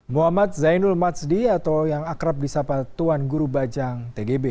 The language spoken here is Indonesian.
muhammad zainul mazdi atau yang akrab di sapatuan guru bajang tgb